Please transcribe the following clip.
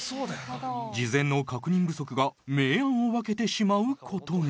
事前の確認不足が明暗を分けてしまうことに。